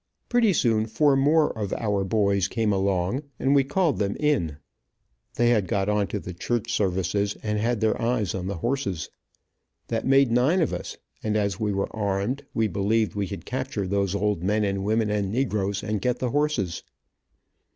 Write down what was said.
Pretty soon four more of our boys came along, and we called them in. They had got on to the church services, and had their eyes on the horses. That made nine of us, and as we were armed, we believed we could capture those old men and women and negroes, and get the horses.